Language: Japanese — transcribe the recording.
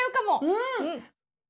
うん！